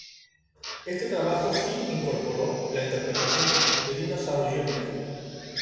Este trabajo sí incorporó la interpretación de Dinosaur Jr.